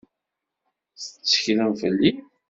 Tetteklem fell-i?